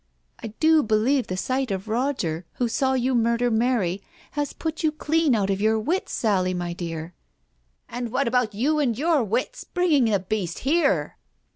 " I do believe the sight of Roger, who saw you murder Mary, has put you clean out of your wits, Sally, my dear." "And what about you and your wits, bringing the beast here